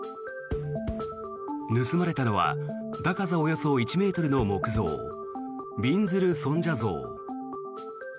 盗まれたのは高さおよそ１ｍの木像びんずる尊者像。